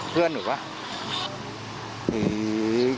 เพื่อนหนูหรือเปล่า